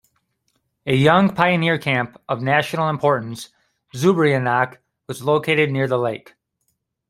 A Young Pioneer camp of national importance "Zubryonok" was located near the lake.